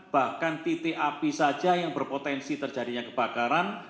bahkan titik api saja yang berpotensi terjadinya kebakaran